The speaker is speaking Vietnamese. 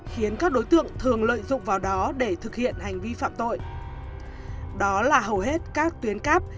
khiến các đối tượng thường lợi dụng vào đó để thực hiện hành vi phạm tội đó là hầu hết các tuyến cáp